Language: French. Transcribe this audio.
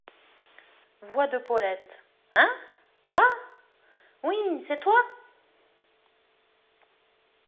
Voix de Paulette. — Hein ! ah ! oui, c’est toi ?…